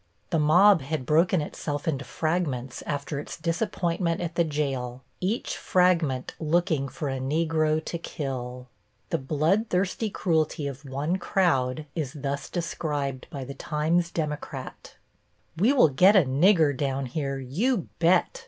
The mob had broken itself into fragments after its disappointment at the jail, each fragment looking for a Negro to kill. The bloodthirsty cruelty of one crowd is thus described by the Times Democrat: "We will get a Nigger down here, you bet!"